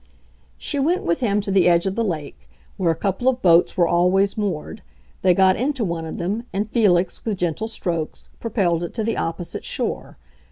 She went with him to the edge of the lake, where a couple of boats were always moored; they got into one of them, and Felix, with gentle strokes, propelled it to the opposite shore.